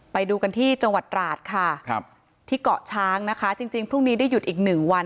ไปดูกันที่จังหวัดตราดที่เกาะช้างจริงพรุ่งนี้ได้หยุดอีก๑วัน